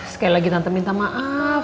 sekali lagi tante minta maaf